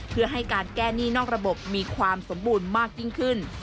เพื่อให้การแก้หนี้นอกระบบมีความสมบูรณ์มากยิ่งขึ้น